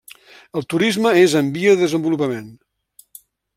El turisme és en via de desenvolupament.